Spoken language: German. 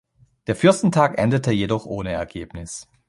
Der Fürstentag endete jedoch ohne Ergebnis.